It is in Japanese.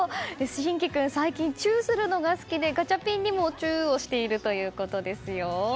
心絆君最近チューするのが好きでガチャピンにもチューをしているということですよ。